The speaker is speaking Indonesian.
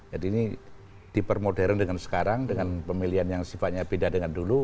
jadi ini dipermodern dengan sekarang dengan pemilihan yang sifatnya beda dengan dulu